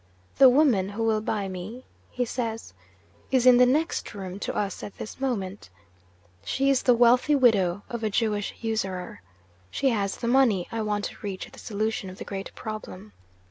"The woman who will buy me," he says, "is in the next room to us at this moment. She is the wealthy widow of a Jewish usurer. She has the money I want to reach the solution of the great problem.